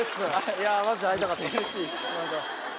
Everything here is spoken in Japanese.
いやマジで会いたかったです